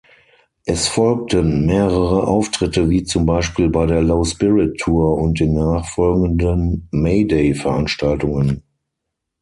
Es folgten mehrere Auftritte wie zum Beispiel bei der Low-Spirit-Tour und den nachfolgenden Mayday-Veranstaltungen.